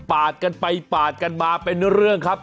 กันไปปาดกันมาเป็นเรื่องครับ